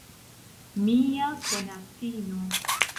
Mia konatino.